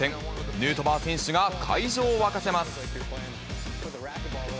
ヌートバー選手が会場を沸かせます。